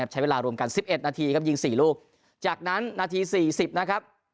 ใช้เวลารวมกัน๑๑นาทีครับยิง๔ลูกจากนั้นนาที๔๐นะครับ